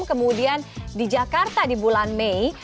kemudian di jakarta di bulan mei